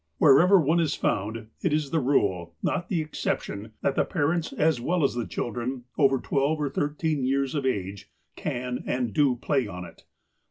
Wherever one is found, it is the rule, not the exception, that the parents as well as the children, over twelve or thirteen years of age, can and do play on it.